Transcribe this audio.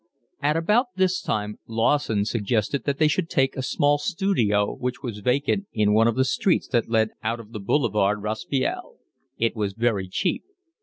At about this time Lawson suggested that they should take a small studio which was vacant in one of the streets that led out of the Boulevard Raspail. It was very cheap.